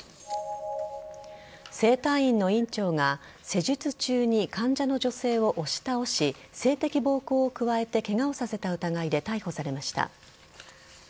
整体院の院長が施術中に患者の女性を押し倒し性的暴行を加えてケガをさせた疑いで逮捕されました。